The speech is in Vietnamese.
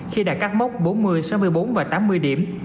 khi đã cắt mốc bốn mươi sáu mươi bốn và tám mươi điểm